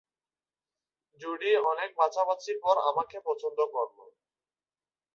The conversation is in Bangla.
জুডি অনেক বাছাবাছির পর আমাকে পছন্দ করল।